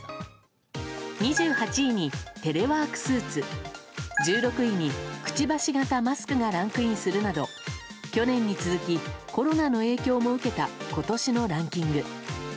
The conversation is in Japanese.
２８位に、テレワークスーツ１６位に、くちばし型マスクがランクインするなど去年に続きコロナの影響も受けた今年のランキング。